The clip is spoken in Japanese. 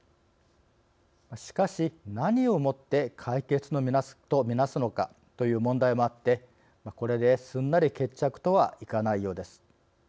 しかし、何をもって解決と見なすのかという問題もあってこれですんなり決着とはいかないようです。